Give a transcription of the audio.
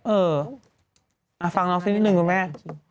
เออฟังน้องสักนิดนึงคุณแม่